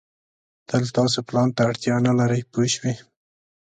تل تاسو پلان ته اړتیا نه لرئ پوه شوې!.